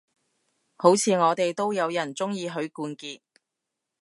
好似我哋都有人鍾意許冠傑